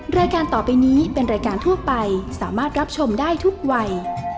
รายการต่อไปนี้เป็นรายการทั่วไปสามารถรับชมได้ทุกวัย